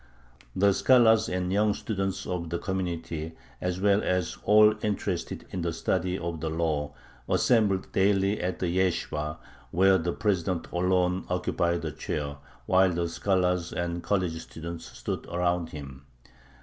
The scholars and young students of the community as well as all interested in the study of the Law assembled daily at the yeshibah, where the president alone occupied a chair, while the scholars and college students stood around him.